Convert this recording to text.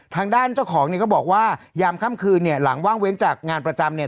ทางด้านเจ้าของก็บอกว่ายามค่ำคืนหลังว่างเว้นจากงานประจำ